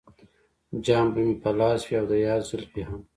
جام به مې په لاس وي او د یار زلفې هم.